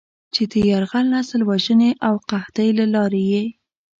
چې د "يرغل، نسل وژنې او قحطۍ" له لارې یې